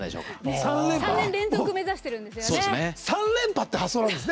３年連続を目指してるんですよね。